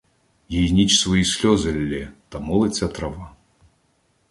Їй ніч свої сльози ллє та молиться трава.